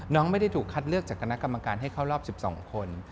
ไม่ได้ถูกคัดเลือกจากคณะกรรมการให้เข้ารอบ๑๒คน